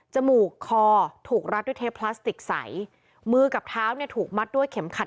มูกคอถูกรัดด้วยเทปพลาสติกใสมือกับเท้าเนี่ยถูกมัดด้วยเข็มขัด